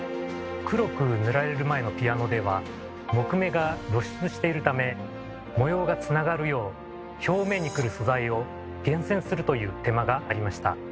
黒く塗られる前のピアノでは木目が露出しているため模様がつながるよう表面にくる素材を厳選するという手間がありました。